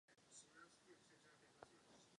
Tyto reformy potřebujeme provést naléhavě.